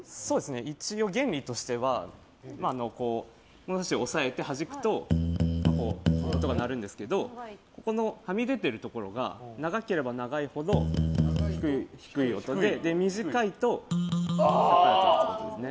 一応原理としてはものさしを押さえて弾くと、音が鳴るんですけどこのはみ出てる部分が長ければ長いほど低い音で短いと高いということですね。